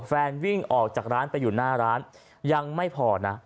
วิ่งออกจากร้านไปอยู่หน้าร้านยังไม่พอนะ